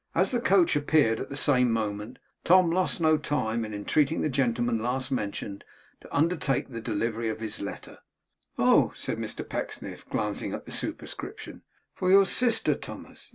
As the coach appeared at the same moment, Tom lost no time in entreating the gentleman last mentioned, to undertake the delivery of his letter. 'Oh!' said Mr Pecksniff, glancing at the superscription. 'For your sister, Thomas.